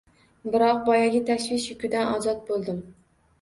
Biroq, boyagi tashvish yukidan ozod bo’ldim.